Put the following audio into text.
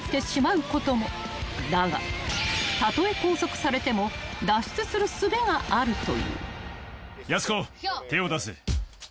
［だがたとえ拘束されても脱出するすべがあるという］